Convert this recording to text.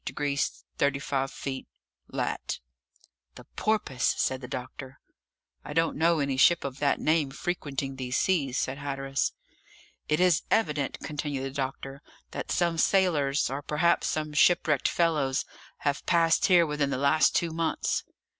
degrees 35 minutes lat..." "The Porpoise!" said the doctor. "I don't know any ship of that name frequenting these seas," said Hatteras. "It is evident," continued the doctor, "that some sailors, or perhaps some shipwrecked fellows, have passed here within the last two months."